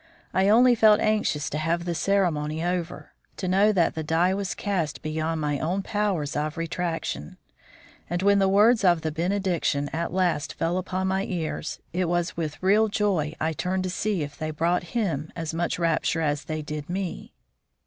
I only felt anxious to have the ceremony over, to know that the die was cast beyond my own powers of retraction; and when the words of the benediction at last fell upon my ears, it was with real joy I turned to see if they brought him as much rapture as they did me.